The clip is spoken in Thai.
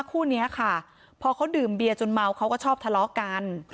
คู่นี้ค่ะพอเขาดื่มเบียจนเมาเขาก็ชอบทะเลาะกัน